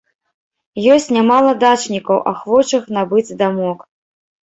Ёсць нямала дачнікаў, ахвочых набыць дамок.